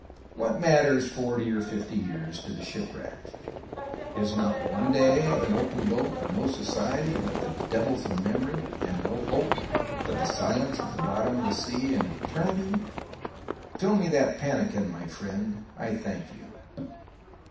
What matters forty or fifty years to the shipwrecked? Is not one day of an open boat, with no society but the devils of memory and no hope but the silence at the bottom of the sea, an eternity? Fill me that pannikin, my friend. I thank you.